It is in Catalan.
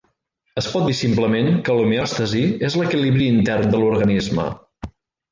Es pot dir simplement, que l'homeòstasi és l'equilibri intern de l'organisme.